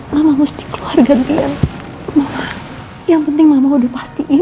mama pasti keluar gantian yang penting mama udah pastiin